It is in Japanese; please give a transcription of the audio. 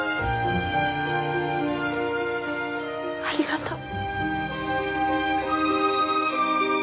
ありがとう。